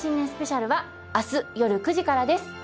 スペシャルは明日夜９時からです